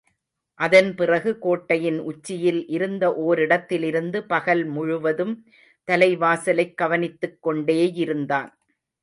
அதன் பிறகு கோட்டையின் உச்சியில் இருந்த ஓரிடத்திலிருந்து பகல் முழுவதும் தலைவாசலைக் கவனித்துக் கொண்டேயிருந்தான்.